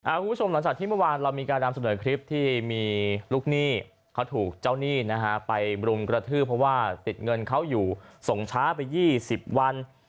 คุณผู้ชมหลังจากที่เมื่อวานเรามีการนำเสนอคลิปที่มีลูกหนี้เขาถูกเจ้าหนี้นะฮะไปรุมกระทืบเพราะว่าติดเงินเขาอยู่ส่งช้าไป๒๐วัน